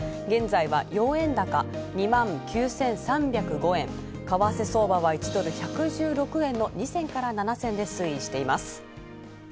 現在は４円高２９３０５円、為替相場は、１ドル１１６円の２銭から７銭で推移しています。